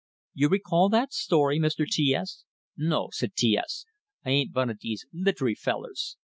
You recall that story, Mr. T S?" "No," said T S, "I ain't vun o' dese litry fellers."